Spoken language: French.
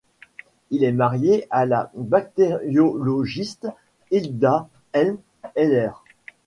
Il est marié à la bactériologiste Hilda Hempl Heller.